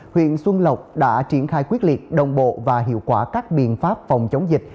huyện xuân lộc đã triển khai quyết liệt đồng bộ và hiệu quả các biện pháp phòng chống dịch